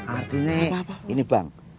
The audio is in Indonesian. artinya ini bang